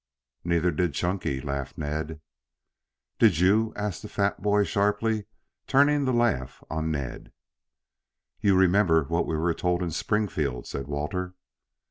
"Neither did Chunky," laughed Ned. "Did you?" asked the fat boy sharply, turning the laugh on Ned. "You remember what we were told in Springfield," said Walter.